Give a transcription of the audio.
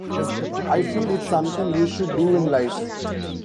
I feel it's something you should do in life.